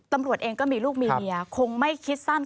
ตำรวจเองก็มีลูกมีเมียคงไม่คิดสั้น